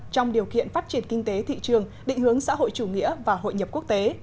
trong điều kiện phát triển kinh tế thị trường định hướng xã hội chủ nghĩa và hội nhập quốc tế